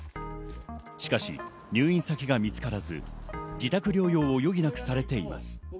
しかし、入院先が見つからず自宅療養を余儀なくされています。